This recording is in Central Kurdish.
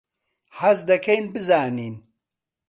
حەز دەکەین بزانین.